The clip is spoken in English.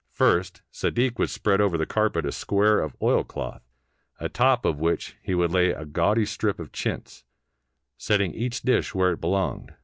First, Sadik would spread over the carpet a square of oilcloth, atop of which he would lay a gaudy strip of chintz, set ting each dish where it belonged.